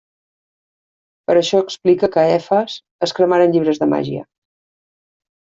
Per això explica que a Efes es cremaren llibres de màgia.